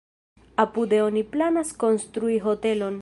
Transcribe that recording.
Apude oni planas konstrui hotelon.